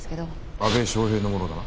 阿部祥平のものだな？